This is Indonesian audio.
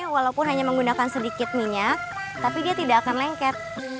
walaupun hanya menggunakan sedikit minyak tapi dia tidak akan lengket